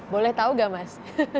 boleh tau gak mas